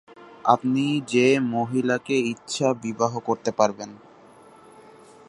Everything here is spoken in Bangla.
আপনি যে মহিলাকে ইচ্ছা বিবাহ করতে পারবেন।